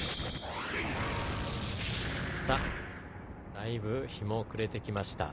だいぶ日も暮れてきました。